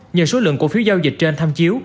nhờ số lượng cổ phiếu giao dịch trên tham chiếu